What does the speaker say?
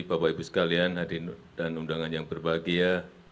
bapak ibu sekalian hadirin dan undangan yang berbahagia